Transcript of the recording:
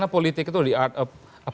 pemikiran itu mungkin semua